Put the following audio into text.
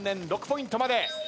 ６ポイントまで。